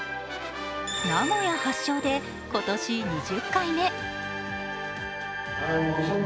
名古屋発祥で今年２０回目。